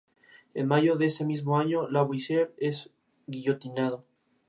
En Cataluña es sobre todo una fiesta familiar y popular.